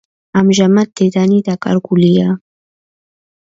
ამჟამად დედანი დაკარგულია.